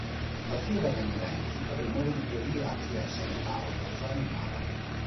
A partire dagli anni venti aprì nuove librerie a Trieste, Milano, Bolzano e Napoli.